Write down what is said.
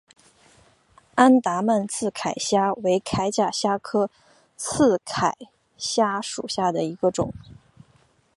安达曼刺铠虾为铠甲虾科刺铠虾属下的一个种。